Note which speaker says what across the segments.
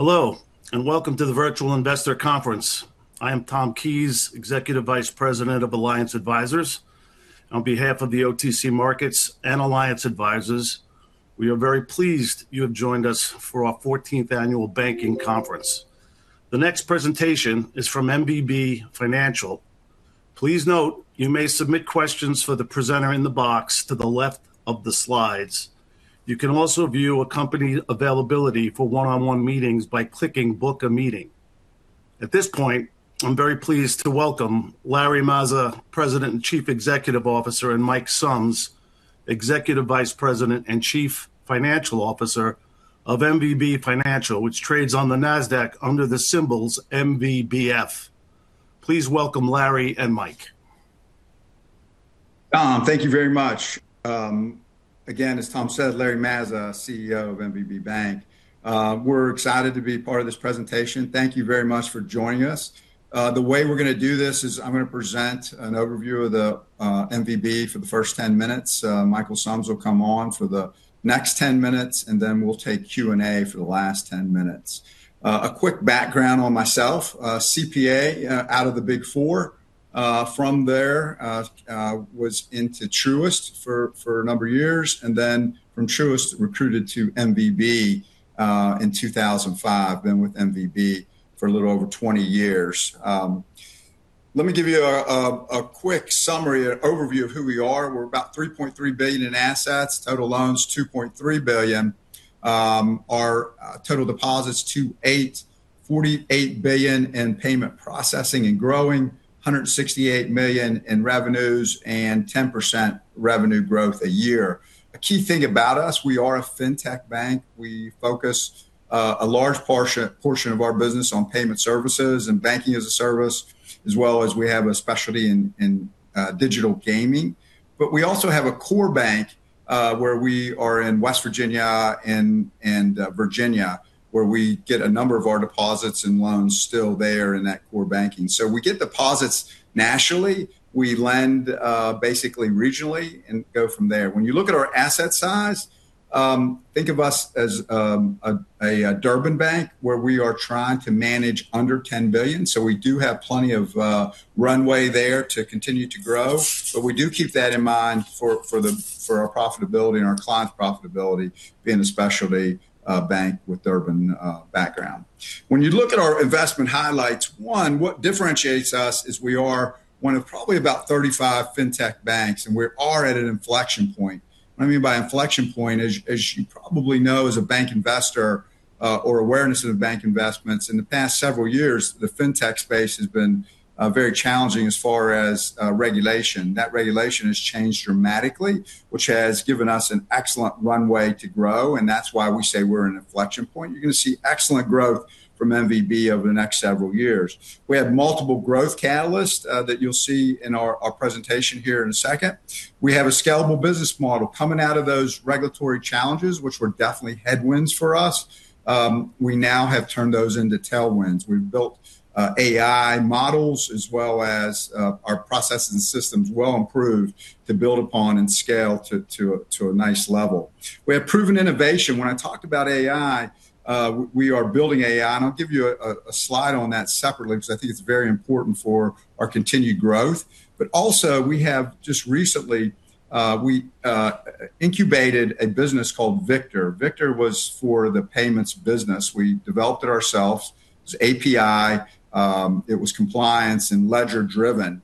Speaker 1: Hello, and welcome to the Virtual Investor Conference. I am Tom Keys, Executive Vice President of Alliance Advisors. On behalf of the OTC Markets Group and Alliance Advisors, we are very pleased you have joined us for our 14th Annual Banking Conference. The next presentation is from MVB Financial. Please note you may submit questions for the presenter in the box to the left of the slides. You can also view a company availability for one-on-one meetings by clicking Book a Meeting. At this point, I'm very pleased to welcome Larry Mazza, President and Chief Executive Officer, and Mike Sumbs, Executive Vice President and Chief Financial Officer of MVB Financial, which trades on the Nasdaq under the symbol MVBF. Please welcome Larry and Mike.
Speaker 2: Tom, thank you very much. Again, as Tom said, Larry Mazza, CEO of MVB Bank. We're excited to be part of this presentation. Thank you very much for joining us. The way we're gonna do this is I'm gonna present an overview of the MVB for the first 10 minutes. Michael Sumbs will come on for the next 10 minutes, and then we'll take Q&A for the last 10 minutes. A quick background on myself, a CPA out of the Big Four. From there was into Truist for a number of years, and then from Truist recruited to MVB in 2005. Been with MVB for a little over 20 years. Let me give you a quick summary, an overview of who we are. We're about $3.3 billion in assets. Total loans, $2.3 billion. Our total deposits, $2.8 billion. $48 billion in payment processing and growing. $168 million in revenues and 10% revenue growth a year. A key thing about us, we are a fintech bank. We focus a large portion of our business on payment services and banking as a service, as well as we have a specialty in digital gaming. We also have a core bank, where we are in West Virginia and Virginia, where we get a number of our deposits and loans still there in that core banking. We get deposits nationally. We lend basically regionally and go from there. When you look at our asset size, think of us as a Durbin bank, where we are trying to manage under $10 billion, so we do have plenty of runway there to continue to grow. We do keep that in mind for our profitability and our clients' profitability being a specialty bank with Durbin background. When you look at our investment highlights, one, what differentiates us is we are one of probably about 35 fintech banks, and we are at an inflection point. What I mean by inflection point is, as you probably know, as a bank investor, or awareness of bank investments, in the past several years, the fintech space has been very challenging as far as regulation. That regulation has changed dramatically, which has given us an excellent runway to grow, and that's why we say we're an inflection point. You're gonna see excellent growth from MVB over the next several years. We have multiple growth catalysts that you'll see in our presentation here in a second. We have a scalable business model coming out of those regulatory challenges, which were definitely headwinds for us. We now have turned those into tailwinds. We've built AI models as well as our processes and systems well improved to build upon and scale to a nice level. We have proven innovation. When I talk about AI, we are building AI, and I'll give you a slide on that separately because I think it's very important for our continued growth. We have just recently incubated a business called Victor. Victor was for the payments business. We developed it ourselves. It's API. It was compliance and ledger-driven.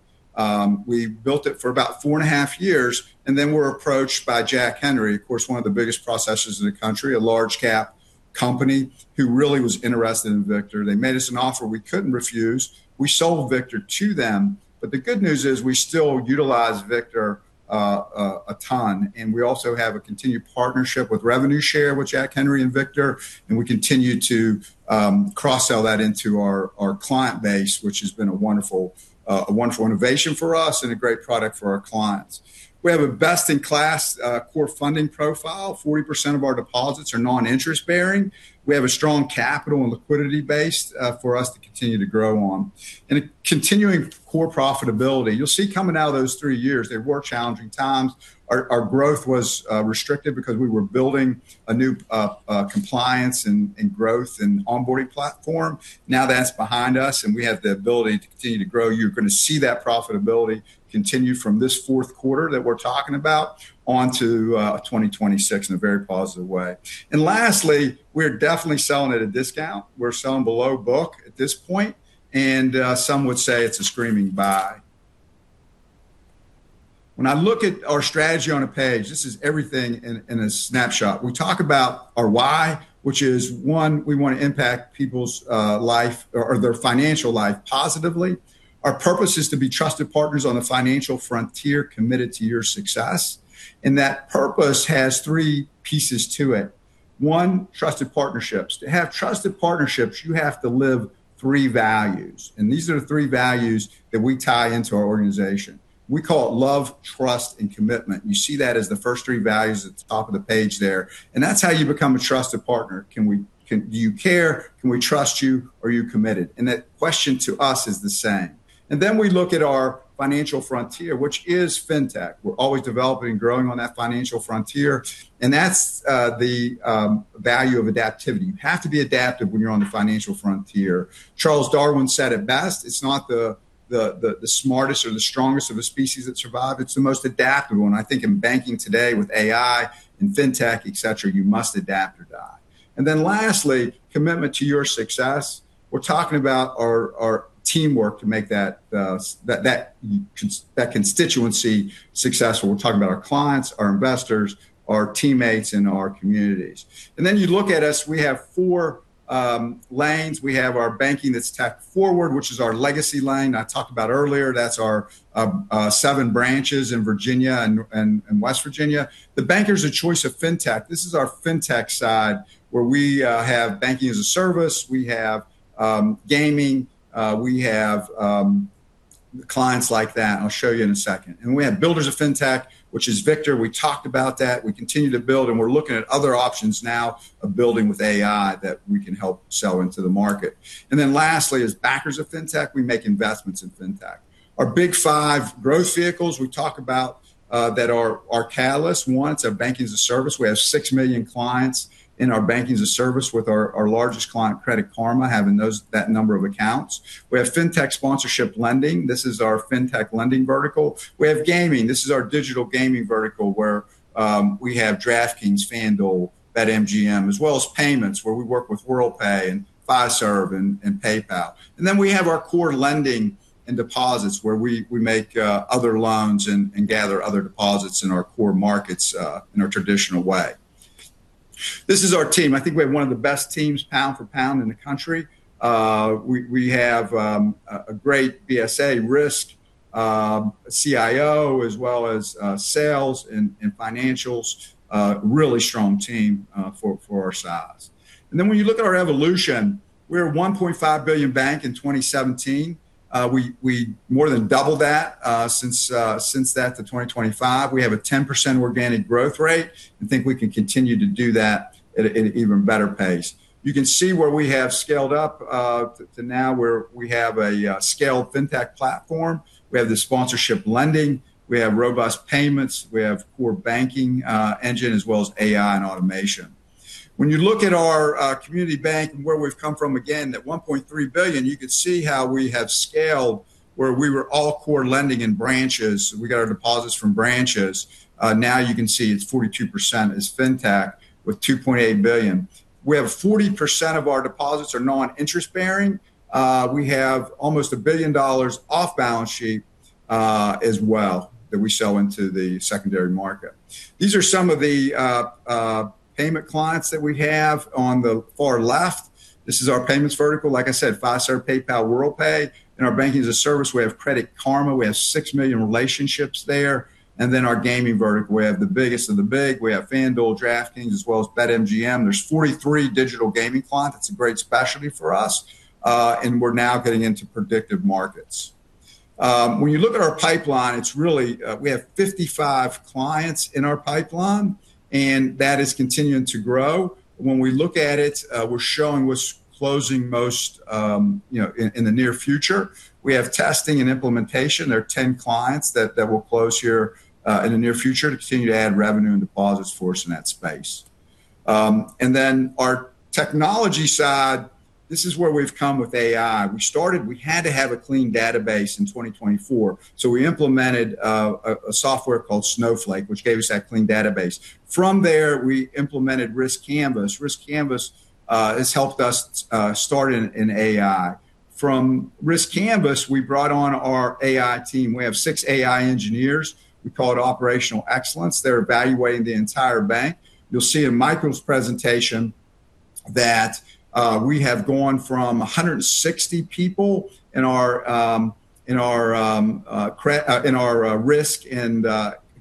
Speaker 2: We built it for about four and a half years, and then we were approached by Jack Henry, of course, one of the biggest processors in the country, a large cap company who really was interested in Victor. They made us an offer we couldn't refuse. We sold Victor to them. The good news is we still utilize Victor a ton, and we also have a continued partnership with revenue share with Jack Henry and Victor, and we continue to cross-sell that into our client base, which has been a wonderful innovation for us and a great product for our clients. We have a best-in-class core funding profile. 40% of our deposits are non-interest bearing. We have a strong capital and liquidity base for us to continue to grow on. A continuing core profitability. You'll see coming out of those three years, there were challenging times. Our growth was restricted because we were building a new compliance and growth and onboarding platform. Now that's behind us, and we have the ability to continue to grow. You're gonna see that profitability continue from this fourth quarter that we're talking about onto 2026 in a very positive way. Lastly, we're definitely selling at a discount. We're selling below book at this point, and some would say it's a screaming buy. When I look at our strategy on a page, this is everything in a snapshot. We talk about our why, which is one, we wanna impact people's life or their financial life positively. Our purpose is to be trusted partners on the financial frontier committed to your success, and that purpose has three pieces to it. One, trusted partnerships. To have trusted partnerships, you have to live three values, and these are the three values that we tie into our organization. We call it love, trust, and commitment. You see that as the first three values at the top of the page there, and that's how you become a trusted partner. Do you care? Can we trust you? Are you committed? That question to us is the same. We look at our financial frontier, which is fintech. We're always developing and growing on that financial frontier, and that's the value of adaptivity. You have to be adaptive when you're on the financial frontier. Charles Darwin said it best, "It's not the smartest or the strongest of a species that survive, it's the most adaptive one." I think in banking today with AI and fintech, et cetera, you must adapt or die. Lastly, commitment to your success. We're talking about our teamwork to make that constituency successful. We're talking about our clients, our investors, our teammates, and our communities. You look at us, we have four lanes. We have our banking that's tech forward, which is our legacy lane I talked about earlier. That's our seven branches in Virginia and West Virginia. The bankers, a choice of fintech. This is our fintech side, where we have banking as a service. We have gaming. We have clients like that, and I'll show you in a second. We have builders of fintech, which is Victor. We talked about that. We continue to build, and we're looking at other options now of building with AI that we can help sell into the market. Then lastly is backers of fintech. We make investments in fintech. Our big five growth vehicles we talk about that are our catalyst. One, it's our Banking as a Service. We have six million clients in our Banking as a Service with our largest client, Credit Karma, having that number of accounts. We have fintech sponsorship lending. This is our fintech lending vertical. We have gaming. This is our digital gaming vertical where we have DraftKings, FanDuel, BetMGM, as well as payments where we work with Worldpay and Fiserv and PayPal. Then we have our core lending and deposits where we make other loans and gather other deposits in our core markets in our traditional way. This is our team. I think we have one of the best teams pound for pound in the country. We have a great BSA risk CIO, as well as sales and financials. Really strong team for our size. When you look at our evolution, we were a $1.5 billion bank in 2017. We more than doubled that since that to 2025. We have a 10% organic growth rate, and think we can continue to do that at an even better pace. You can see where we have scaled up to now where we have a scaled fintech platform. We have the sponsorship lending. We have robust payments. We have core banking engine, as well as AI and automation. When you look at our community bank and where we've come from, again, that $1.3 billion, you can see how we have scaled where we were all core lending in branches. We got our deposits from branches. Now you can see it's 42% is fintech with $2.8 billion. We have 40% of our deposits are non-interest bearing. We have almost $1 billion off balance sheet as well that we sell into the secondary market. These are some of the payment clients that we have on the far left. This is our payments vertical. Like I said, Fiserv, PayPal, Worldpay. In our banking as a service, we have Credit Karma. We have six million relationships there. Our gaming vertical. We have the biggest of the big. We have FanDuel, DraftKings, as well as BetMGM. There's 43 digital gaming clients. It's a great specialty for us. We're now getting into predictive markets. When you look at our pipeline, we have 55 clients in our pipeline, and that is continuing to grow. When we look at it, we're showing what's closing most, you know, in the near future. We have testing and implementation. There are 10 clients that we'll close here in the near future to continue to add revenue and deposits for us in that space. Our technology side, this is where we've come with AI. We started, we had to have a clean database in 2024, so we implemented a software called Snowflake, which gave us that clean database. From there, we implemented riskCanvas. riskCanvas has helped us start in AI. From riskCanvas, we brought on our AI team. We have six AI engineers. We call it operational excellence. They're evaluating the entire bank. You'll see in Michael's presentation that we have gone from 160 people in our risk and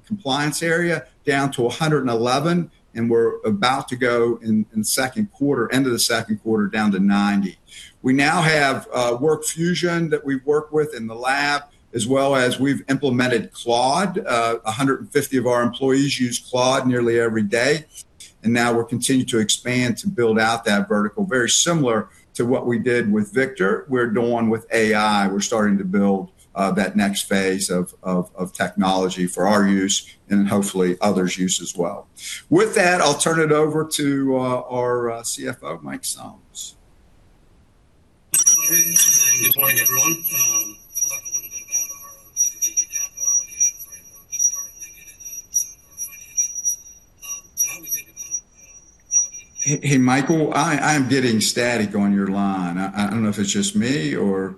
Speaker 2: compliance area down to 111, and we're about to go in second quarter, end of the second quarter, down to 90. We now have WorkFusion that we work with in the lab, as well as we've implemented Claude. 150 of our employees use Claude nearly every day. Now we're continuing to expand to build out that vertical. Very similar to what we did with Victor, we're doing with AI. We're starting to build that next phase of technology for our use and hopefully others' use as well. With that, I'll turn it over to our CFO, Mike Sumbs.
Speaker 3: [inaudible] Good morning, everyone. I'll talk a little bit about our strategic capital allocation framework to start with and then some of our financials. How we think about allocating-
Speaker 2: Hey, Michael, I am getting static on your line. I don't know if it's just me or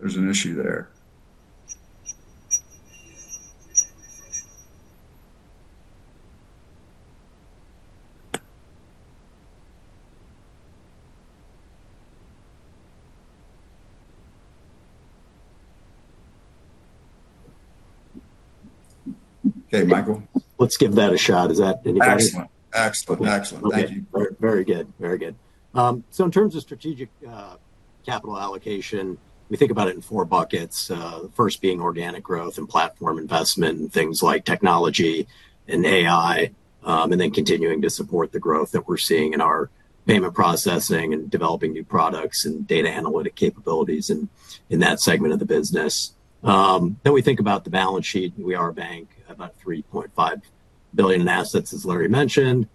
Speaker 2: there's an issue there. Okay, Michael.
Speaker 3: Let's give that a shot. Is that any better?
Speaker 2: Excellent. Thank you.
Speaker 3: Very good. In terms of strategic capital allocation, we think about it in four buckets. The first being organic growth and platform investment and things like technology and AI. Continuing to support the growth that we're seeing in our payment processing and developing new products and data analytic capabilities in that segment of the business. We think about the balance sheet. We are a bank, about $3.5 billion in assets, as Larry mentioned.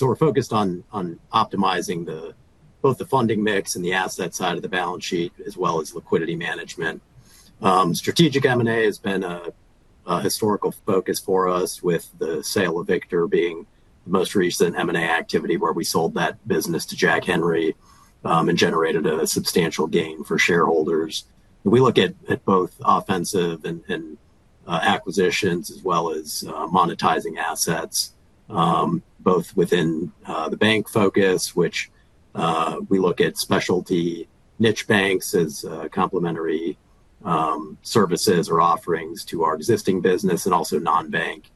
Speaker 3: We're focused on optimizing both the funding mix and the asset side of the balance sheet, as well as liquidity management. Strategic M&A has been a historical focus for us with the sale of Victor being the most recent M&A activity where we sold that business to Jack Henry and generated a substantial gain for shareholders. We look at both offensive and acquisitions as well as monetizing assets both within the bank focus, which we look at specialty niche banks as complementary services or offerings to our existing business and also non-bank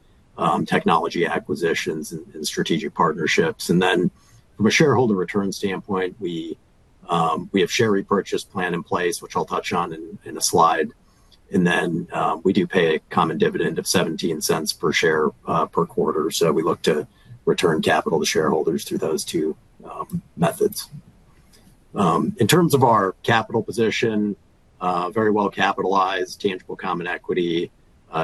Speaker 3: technology acquisitions and strategic partnerships. From a shareholder return standpoint, we have share repurchase plan in place, which I'll touch on in a slide. We do pay a common dividend of $0.17 per share per quarter. We look to return capital to shareholders through those two methods. In terms of our capital position, very well capitalized, Tangible Common Equity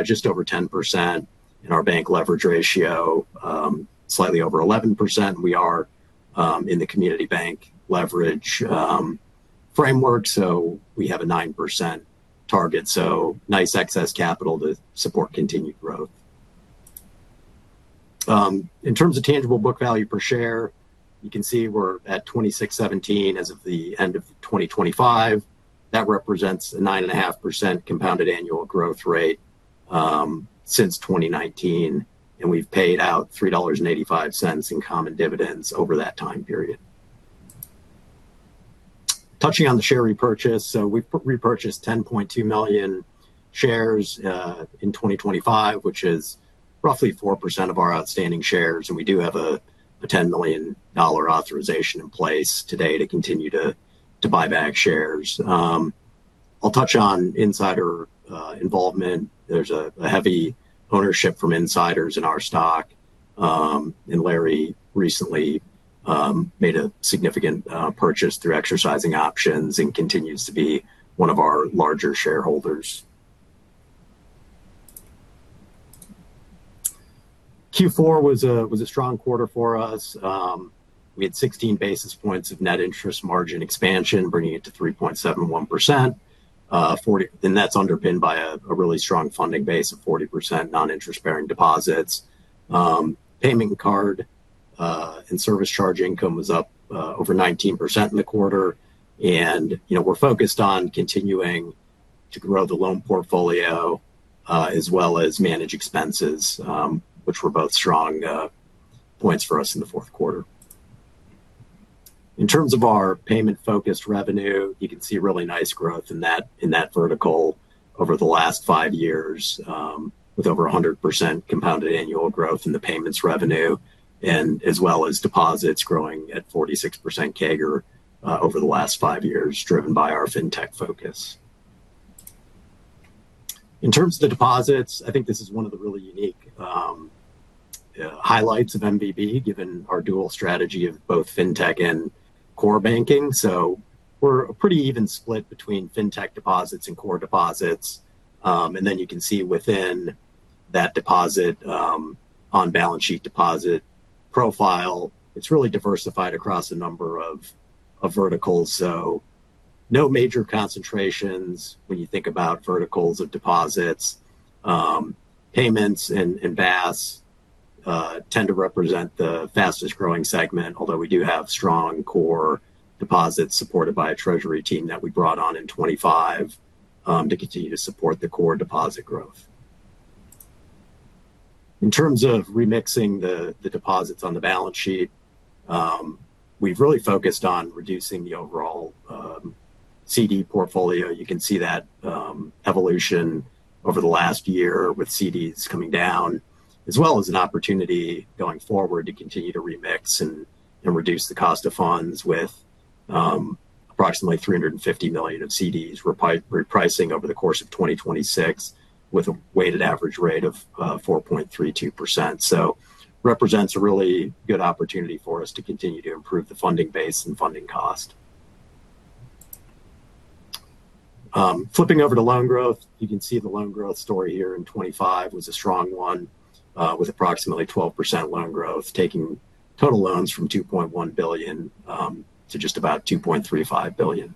Speaker 3: just over 10%. Our Community Bank Leverage Ratio slightly over 11%. We are in the Community Bank Leverage framework. We have a 9% target, nice excess capital to support continued growth. In terms of tangible book value per share, you can see we're at $26.17 as of the end of 2025. That represents a 9.5% compounded annual growth rate since 2019. We've paid out $3.85 in common dividends over that time period. Touching on the share repurchase, we purchased 10.2 million shares in 2025, which is roughly 4% of our outstanding shares. We do have a $10 million authorization in place today to continue to buy back shares. I'll touch on insider involvement. There's a heavy ownership from insiders in our stock. Larry recently made a significant purchase through exercising options and continues to be one of our larger shareholders. Q4 was a strong quarter for us. We had 16 basis points of net interest margin expansion, bringing it to 3.71%. That's underpinned by a really strong funding base of 40% non-interest-bearing deposits. Payment card and service charge income was up over 19% in the quarter. You know, we're focused on continuing to grow the loan portfolio as well as manage expenses, which were both strong points for us in the fourth quarter. In terms of our payment-focused revenue, you can see really nice growth in that vertical over the last five years, with over 100% compounded annual growth in the payments revenue as well as deposits growing at 46% CAGR over the last five years, driven by our fintech focus. In terms of the deposits, I think this is one of the really unique highlights of MVB, given our dual strategy of both fintech and core banking. We're a pretty even split between fintech deposits and core deposits. Then you can see within that deposit on balance sheet deposit profile, it's really diversified across a number of verticals. No major concentrations when you think about verticals of deposits. Payments and BaaS tend to represent the fastest-growing segment, although we do have strong core deposits supported by a treasury team that we brought on in 2025 to continue to support the core deposit growth. In terms of remixing the deposits on the balance sheet, we've really focused on reducing the overall CD portfolio. You can see that evolution over the last year with CDs coming down, as well as an opportunity going forward to continue to remix and reduce the cost of funds with approximately $350 million of CDs repricing over the course of 2026 with a weighted average rate of 4.32%. Represents a really good opportunity for us to continue to improve the funding base and funding cost. Flipping over to loan growth, you can see the loan growth story here in 2025 was a strong one, with approximately 12% loan growth, taking total loans from $2.1 billion to just about $2.35 billion.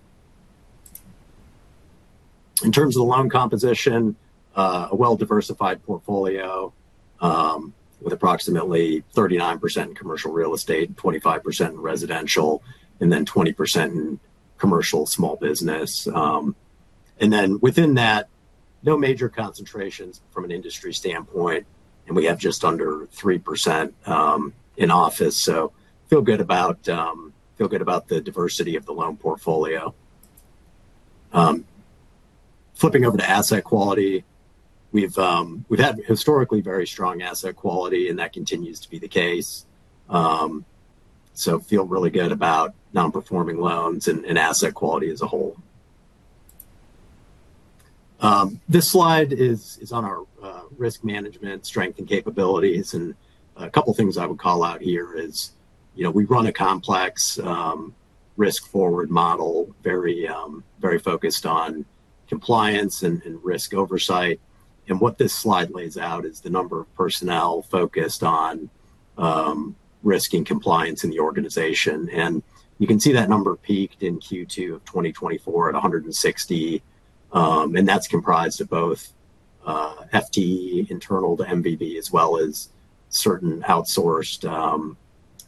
Speaker 3: In terms of the loan composition, a well-diversified portfolio, with approximately 39% commercial real estate, 25% residential, and then 20% in commercial small business. Within that, no major concentrations from an industry standpoint, and we have just under 3% in office. Feel good about the diversity of the loan portfolio. Flipping over to asset quality, we've had historically very strong asset quality, and that continues to be the case. I feel really good about non-performing loans and asset quality as a whole. This slide is on our risk management strength and capabilities. A couple of things I would call out here is, you know, we run a complex risk forward model, very focused on compliance and risk oversight. What this slide lays out is the number of personnel focused on risk and compliance in the organization. You can see that number peaked in Q2 of 2024 at 160. That's comprised of both FTE internal to MVB as well as certain outsourced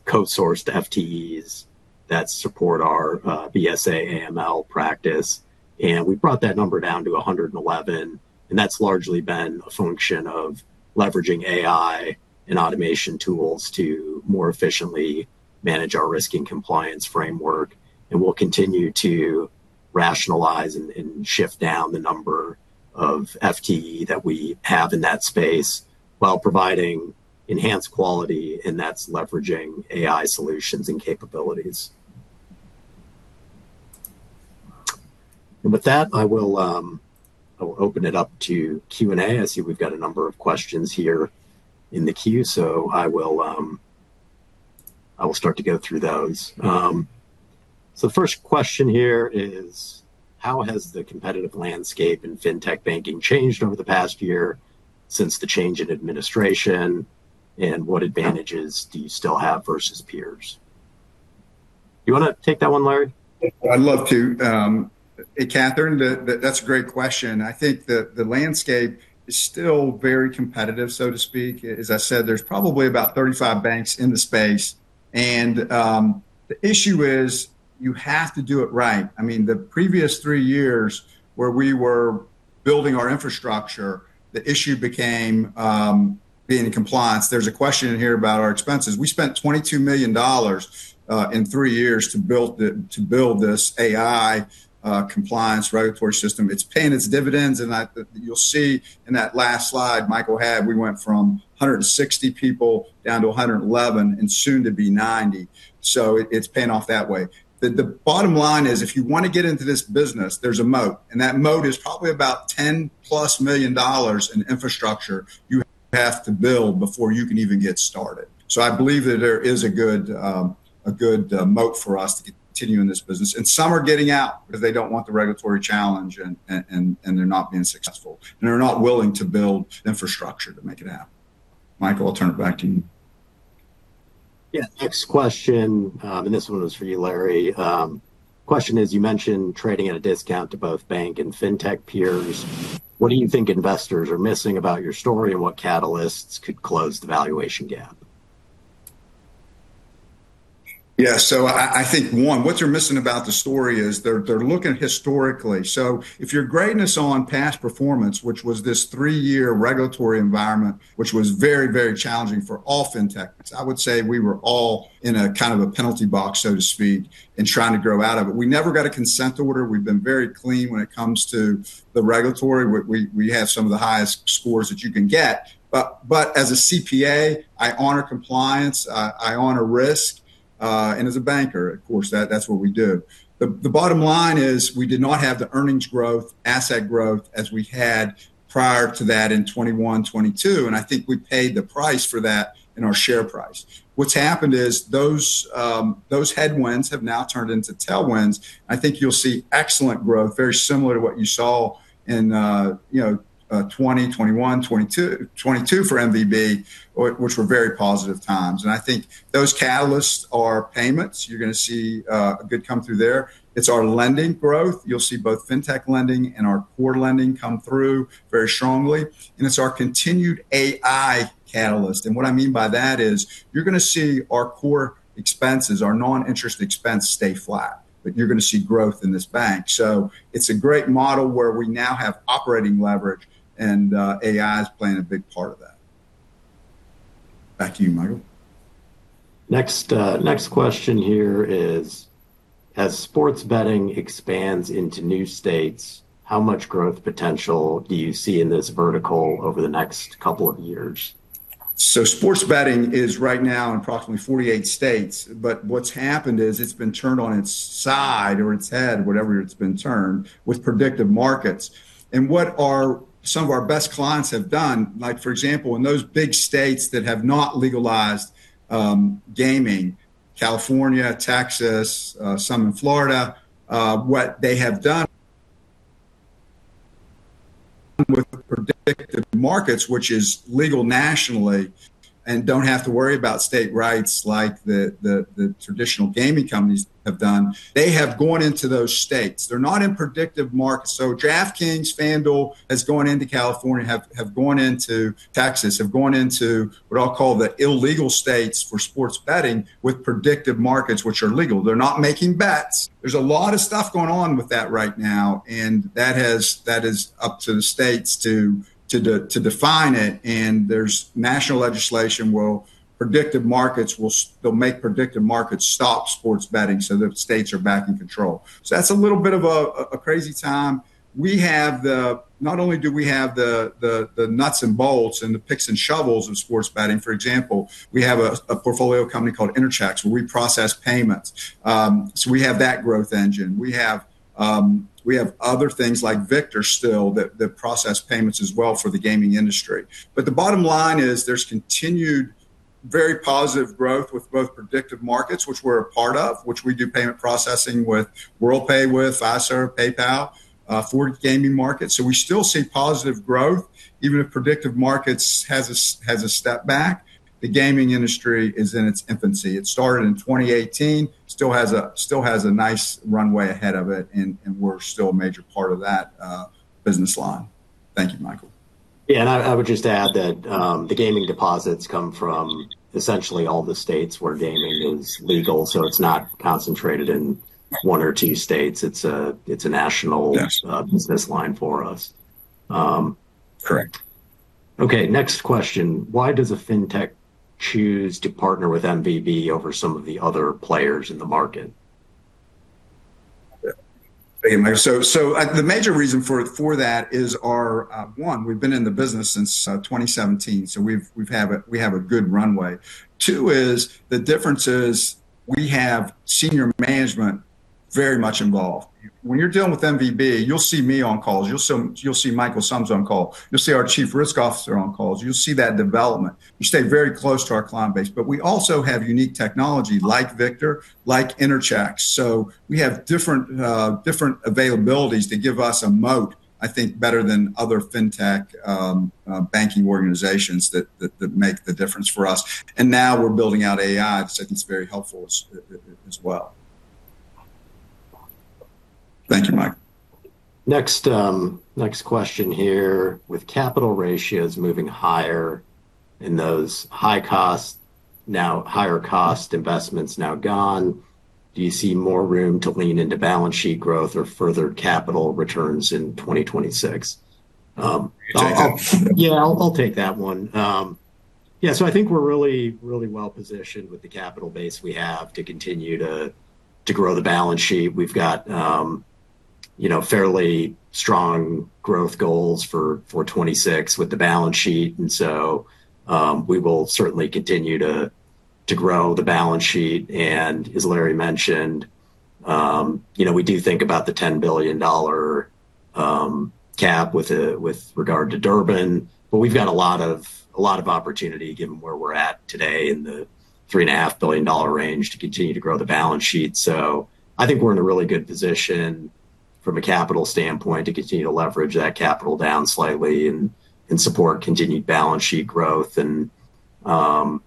Speaker 3: co-sourced FTEs that support our BSA/AML practice. We brought that number down to 111, and that's largely been a function of leveraging AI and automation tools to more efficiently manage our risk and compliance framework. We'll continue to rationalize and shift down the number of FTE that we have in that space while providing enhanced quality, and that's leveraging AI solutions and capabilities. With that, I will open it up to Q&A. I see we've got a number of questions here in the queue, so I will start to go through those. The first question here is: How has the competitive landscape in fintech banking changed over the past year since the change in administration, and what advantages do you still have versus peers?
Speaker 1: You wanna take that one, Larry?
Speaker 2: I'd love to. Hey, Catherine, that's a great question. I think the landscape is still very competitive, so to speak. As I said, there's probably about 35 banks in the space. The issue is you have to do it right. I mean, the previous three years where we were building our infrastructure, the issue became being in compliance. There's a question in here about our expenses. We spent $22 million in three years to build it, to build this AI compliance regulatory system. It's paying its dividends, and you'll see in that last slide Michael had, we went from 160 people down to 111 and soon to be 90. So it's paying off that way. The bottom line is, if you wanna get into this business, there's a moat, and that moat is probably about $10+ million in infrastructure you have to build before you can even get started. I believe that there is a good moat for us to continue in this business. Some are getting out because they don't want the regulatory challenge and they're not being successful, and they're not willing to build infrastructure to make it happen. Michael, I'll turn it back to you.
Speaker 3: Yeah. Next question, and this one is for you, Larry. Question is you mentioned trading at a discount to both bank and fintech peers. What do you think investors are missing about your story, and what catalysts could close the valuation gap?
Speaker 2: Yeah. I think, one, what you're missing about the story is they're looking historically. If your grading is on past performance, which was this three-year regulatory environment, which was very, very challenging for all fintech, I would say we were all in a kind of a penalty box so to speak and trying to grow out of it. We never got a consent order. We've been very clean when it comes to the regulatory. We have some of the highest scores that you can get. But as a CPA, I honor compliance, I honor risk, and as a banker, of course, that's what we do. The bottom line is we did not have the earnings growth, asset growth as we had prior to that in 2021, 2022, and I think we paid the price for that in our share price. What's happened is those headwinds have now turned into tailwinds. I think you'll see excellent growth, very similar to what you saw in, you know, 2021, 2022 for MVB, which were very positive times. I think those catalysts are payments. You're gonna see a good come through there. It's our lending growth. You'll see both fintech lending and our core lending come through very strongly. It's our continued AI catalyst. What I mean by that is you're gonna see our core expenses, our non-interest expense stay flat, but you're gonna see growth in this bank. It's a great model where we now have operating leverage and AI is playing a big part of that. Back to you, Michael.
Speaker 3: Next question here is: As sports betting expands into new states, how much growth potential do you see in this vertical over the next couple of years?
Speaker 2: Sports betting is right now in approximately 48 states. What's happened is it's been turned on its side or its head, whatever it's been turned, with predictive markets. What some of our best clients have done, like for example, in those big states that have not legalized gaming, California, Texas, some in Florida, what they have done with the predictive markets, which is legal nationally and don't have to worry about state rights like the traditional gaming companies have done, they have gone into those states. They're now in predictive markets. DraftKings, FanDuel has gone into California, have gone into Texas, have gone into what I'll call the illegal states for sports betting with predictive markets, which are legal. They're not making bets. There's a lot of stuff going on with that right now, and that is up to the states to define it. There's national legislation where they'll make predictive markets stop sports betting so that states are back in control. That's a little bit of a crazy time. Not only do we have the nuts and bolts and the picks and shovels of sports betting. For example, we have a portfolio company called Interchecks where we process payments. So we have that growth engine. We have other things like Victor still that process payments as well for the gaming industry. The bottom line is there's continued very positive growth with both predictive markets, which we're a part of, which we do payment processing with Worldpay, with Visa, PayPal, for gaming markets. We still see positive growth. Even if predictive markets has a step back, the gaming industry is in its infancy. It started in 2018, still has a nice runway ahead of it, and we're still a major part of that business line. Thank you, Michael.
Speaker 3: Yeah, I would just add that the gaming deposits come from essentially all the states where gaming is legal, so it's not concentrated in one or two states. It's a national-
Speaker 2: Yes
Speaker 3: Business line for us.
Speaker 2: Correct.
Speaker 3: Okay, next question. Why does a fintech choose to partner with MVB over some of the other players in the market?
Speaker 2: Thank you, Mike. The major reason for that is our one, we've been in the business since 2017, we have a good runway. Two is the difference is we have senior management very much involved. When you're dealing with MVB, you'll see me on calls, you'll see Michael Sumbs on call, you'll see our chief risk officer on calls, you'll see that development. We stay very close to our client base. We also have unique technology like Victor, like Interchecks. We have different availabilities to give us a moat, I think, better than other fintech banking organizations that make the difference for us. Now we're building out AI, which I think is very helpful as well. Thank you, Mike.
Speaker 3: Next question here. With capital ratios moving higher and those high costs now, higher cost investments now gone, do you see more room to lean into balance sheet growth or further capital returns in 2026?
Speaker 1: I'll-
Speaker 3: Yeah, I'll take that one. Yeah, so I think we're really well-positioned with the capital base we have to continue to grow the balance sheet. We've got, you know, fairly strong growth goals for 2026 with the balance sheet. We will certainly continue to grow the balance sheet. As Larry mentioned, you know, we do think about the $10 billion cap with regard to Durbin. We've got a lot of opportunity given where we're at today in the $3.5 billion range to continue to grow the balance sheet. I think we're in a really good position from a capital standpoint to continue to leverage that capital down slightly and support continued balance sheet growth. Part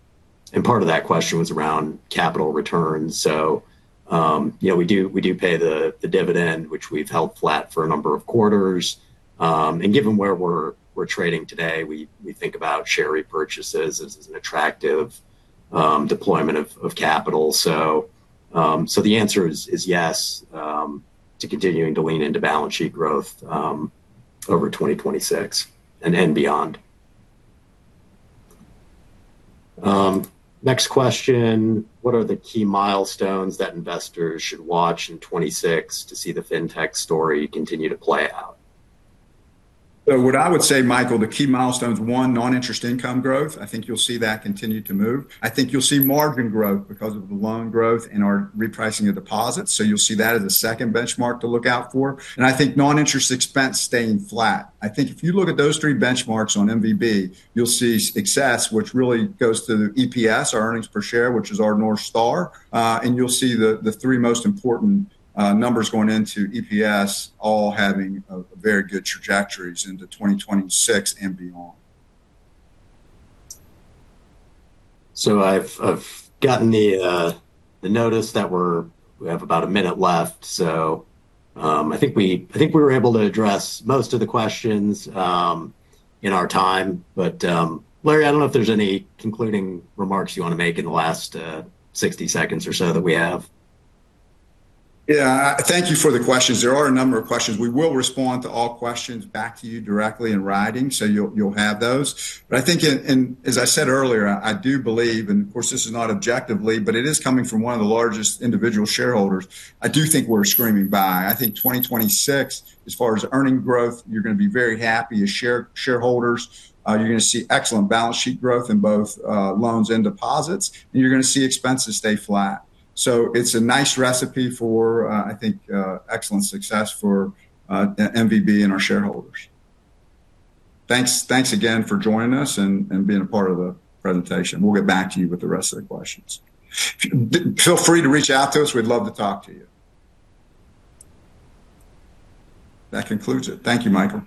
Speaker 3: of that question was around capital returns. You know, we pay the dividend, which we've held flat for a number of quarters. Given where we're trading today, we think about share repurchases as an attractive deployment of capital. The answer is yes to continuing to lean into balance sheet growth over 2026 and then beyond. Next question. What are the key milestones that investors should watch in 2026 to see the fintech story continue to play out?
Speaker 2: What I would say, Michael, the key milestones, one, non-interest income growth. I think you'll see that continue to move. I think you'll see margin growth because of the loan growth and our repricing of deposits. You'll see that as a second benchmark to look out for. I think non-interest expense staying flat. I think if you look at those three benchmarks on MVB, you'll see success, which really goes to the EPS, our earnings per share, which is our North Star. You'll see the three most important numbers going into EPS all having very good trajectories into 2026 and beyond.
Speaker 3: I've gotten the notice that we have about a minute left. I think we were able to address most of the questions in our time. Larry, I don't know if there's any concluding remarks you wanna make in the last 60 seconds or so that we have.
Speaker 2: Yeah. Thank you for the questions. There are a number of questions. We will respond to all questions back to you directly in writing. You'll have those. I think as I said earlier, I do believe, and of course, this is not objectively, but it is coming from one of the largest individual shareholders, I do think we're screaming buy. I think 2026, as far as earnings growth, you're gonna be very happy as shareholders. You're gonna see excellent balance sheet growth in both loans and deposits, and you're gonna see expenses stay flat. It's a nice recipe for, I think, excellent success for MVB and our shareholders. Thanks again for joining us and being a part of the presentation. We'll get back to you with the rest of the questions. Feel free to reach out to us, we'd love to talk to you. That concludes it. Thank you, Michael.